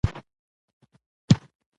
په لوی اختر کې قرباني کوي